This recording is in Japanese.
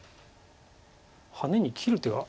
ハネに切る手は。